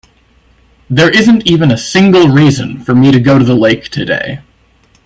There isn't even a single reason for me to go to the lake today.